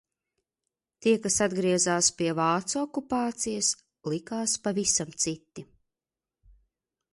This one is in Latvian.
Tie kas atgriezās pie vācu okupācijas likās pavisam citi.